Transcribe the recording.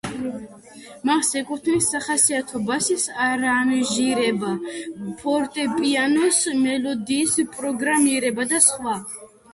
მას ეკუთვნის სახასიათო ბასის არანჟირება, ფორტეპიანოს მელოდიის პროგრამირება და სხვა.